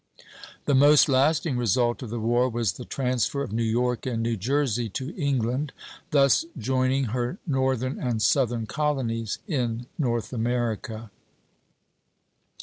The most lasting result of the war was the transfer of New York and New Jersey to England, thus joining her northern and southern colonies in North America.